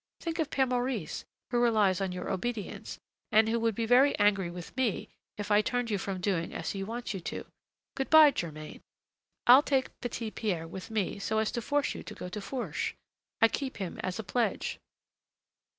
Think of Père Maurice, who relies on your obedience, and who would be very angry with me if I turned you from doing as he wants you to. Good by, Germain; I'll take Petit Pierre with me so as to force you to go to Fourche. I keep him as a pledge."